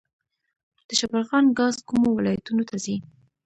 د شبرغان ګاز کومو ولایتونو ته ځي؟